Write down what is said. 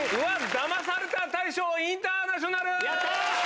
ダマされた大賞インターナショナル。